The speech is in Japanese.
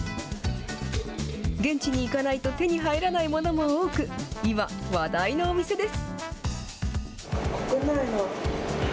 現地に行かないと手に入らないものも多く、今、話題のお店です。